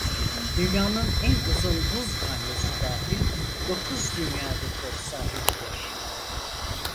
Dünya'nın en uzun buz banyosu dahil dokuz Dünya rekoru sahibidir.